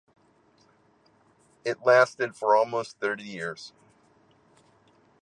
It lasted for almost thirty years.